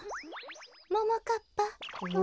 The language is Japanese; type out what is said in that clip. ももかっぱ。